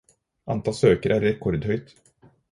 Antall søkere er rekordhøyt.